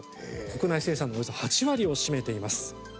国内生産のおよそ８割を占めています。